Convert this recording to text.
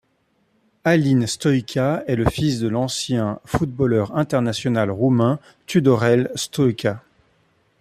Alin Stoica est le fils de l'ancien footballeur international roumain Tudorel Stoica.